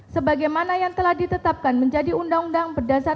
sebagaimana yang telah ditetapkan menjadi undang undang berdasarkan